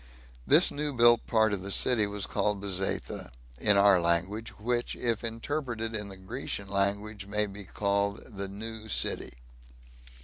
This new built part of the city was called "Bezetha," in our language, which, if interpreted in the Grecian language, may be called "the New City."